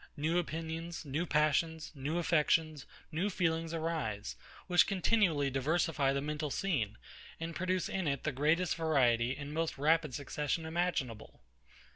New opinions, new passions, new affections, new feelings arise, which continually diversify the mental scene, and produce in it the greatest variety and most rapid succession imaginable.